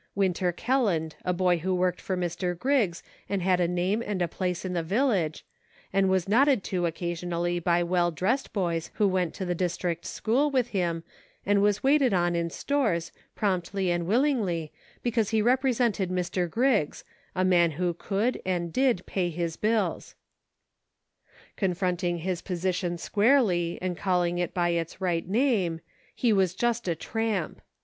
Winter Kelland, a boy who worked for Mr. Griggs, and had a name and a place in the village, and was nodded to occasionally by well dressed boys who went to the district school with him, and was waited on in stores, promptly and willingly, because he represented Mr. Griggs, a man who could, and did, pay his bills. Confronting his position squarely, and calling it by its right name, he was just a tramp.